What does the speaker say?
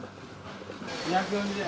２４０円。